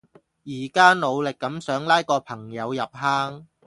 而家努力噉想拉個朋友入坑